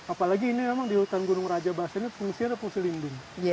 apalagi ini memang di hutan gunung raja basa ini fungsinya ada fungsi lindung